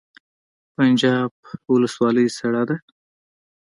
پنجاب ولسوالۍ سړه ده؟